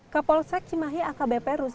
kapolsek cimahi akb perus